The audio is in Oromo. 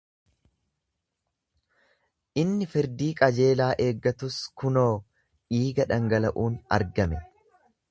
Inni firdii qajeelaa eeggatus kunoo dhiiga dhangala'uun argame.